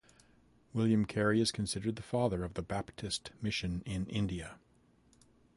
William Carey is considered the father of the Baptist Mission in India.